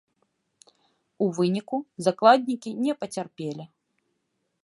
У выніку закладнікі не пацярпелі.